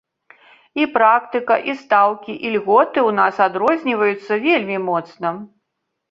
І практыка, і стаўкі, і льготы ў нас адрозніваюцца вельмі моцна.